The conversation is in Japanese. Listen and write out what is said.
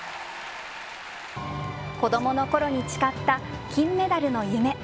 子供のころに誓った金メダルの夢。